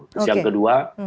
terus yang kedua